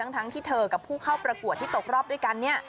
ทั้งที่เธอกับผู้เข้าประกวดที่ตกรอบด้วยกันเนี่ย